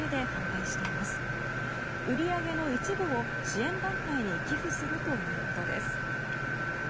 売り上げの一部を支援団体に寄付するということです。